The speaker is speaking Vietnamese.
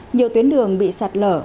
nhiều tuyến đường bị sạt lở